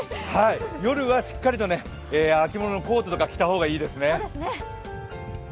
夜はしっかりと秋物のコートとか着た方がいいですね。